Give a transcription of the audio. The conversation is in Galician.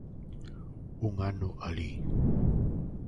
Un ano alí.